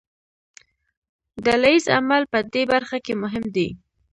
ډله ییز عمل په دې برخه کې مهم دی.